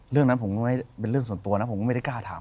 เรื่องนั้นเป็นเรื่องส่วนตัวนะผมไม่ได้กล้าถาม